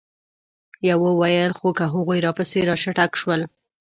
يوه وويل: خو که هغوی راپسې را چټک شول؟